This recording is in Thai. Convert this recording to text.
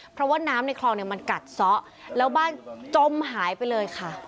เพราะว่าน้ำในคลองเนี่ยมันกัดซะแล้วบ้านจมหายไปเลยค่ะ